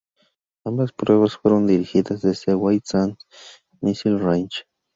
Ambas pruebas fueron dirigidas desde el White Sands Missile Range.